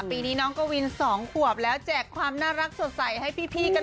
ปีนี้น้องกวิน๒ขวบแล้วแจกความน่ารักสดใสให้พี่กัน